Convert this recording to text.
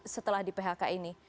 setelah di phk ini